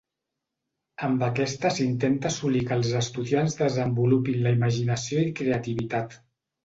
Amb aquesta s'intenta assolir que els estudiants desenvolupin la imaginació i creativitat.